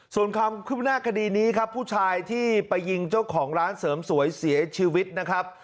ส่วนความคืบหน้าคดีนี้ครับผู้ชายที่ไปยิงเจ้าของร้านเสริมสวยเสียชีวิตนะครับ